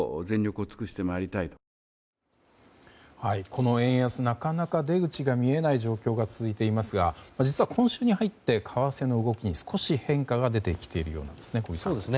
この円安、なかなか出口が見えない状況が続いていますが実は、今週に入って為替の動きに、少し変化が出てきているようなんですね。